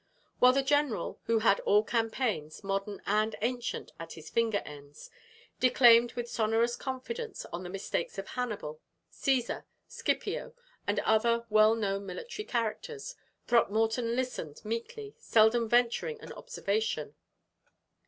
While the general, who had all campaigns, modern and ancient, at his finger ends, declaimed with sonorous confidence on the mistakes of Hannibal, Cæsar, Scipio, and other well known military characters, Throckmorton listened meekly, seldom venturing an observation.